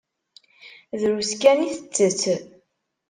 Drus kan i tettett.